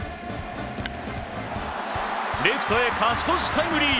レフトへ勝ち越しタイムリー。